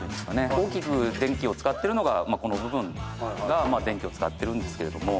大きく電気を使ってるのがこの部分が電気を使ってるんですけれども。